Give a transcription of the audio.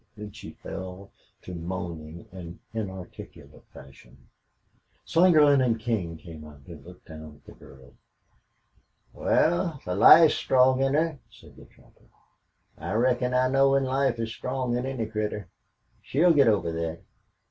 Oh! Oh! Oh!" Then she fell to moaning in inarticulate fashion. Slingerland and King came out and looked down at the girl. "Wal, the life's strong in her," said the trapper. "I reckon I know when life is strong in any critter. She'll git over thet.